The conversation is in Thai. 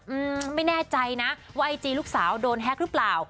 อืมไม่แน่ใจนะว่าไอจีลูกสาวโดนแฮ็กหรือเปล่า